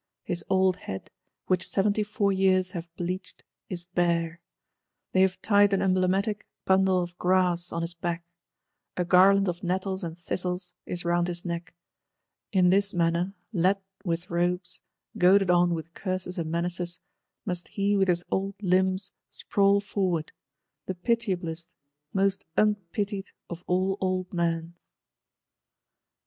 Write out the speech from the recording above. His old head, which seventy four years have bleached, is bare; they have tied an emblematic bundle of grass on his back; a garland of nettles and thistles is round his neck: in this manner; led with ropes; goaded on with curses and menaces, must he, with his old limbs, sprawl forward; the pitiablest, most unpitied of all old men.